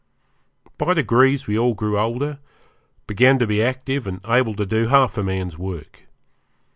By degrees we all grew older, began to be active and able to do half a man's work.